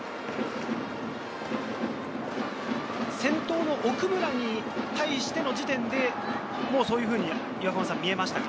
先頭の奥村に対しての時点で、もうそういうふうに見えましたか？